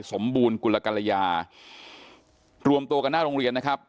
สมบูรณ์กุลกรยารวมตัวกันหน้าโรงเรียนนะครับ